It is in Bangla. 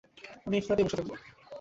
আমি এই ফ্ল্যাটেই বসে থাকব।